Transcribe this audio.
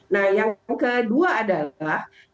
nah yang kedua adalah